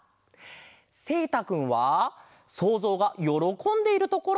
せいたくんはそうぞうがよろこんでいるところ。